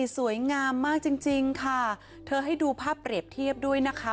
สวยงามมากจริงจริงค่ะเธอให้ดูภาพเปรียบเทียบด้วยนะคะ